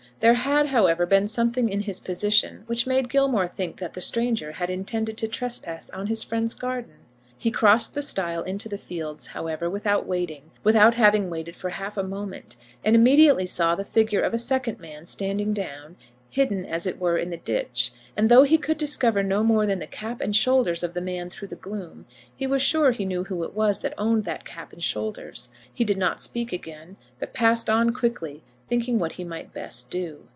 There had, however, been something in his position which made Gilmore think that the stranger had intended to trespass on his friend's garden. He crossed the stile into the fields, however, without waiting, without having waited for half a moment, and immediately saw the figure of a second man standing down, hidden as it were in the ditch; and though he could discover no more than the cap and shoulders of the man through the gloom, he was sure he knew who it was that owned the cap and shoulders. He did not speak again, but passed on quickly, thinking what he might best do.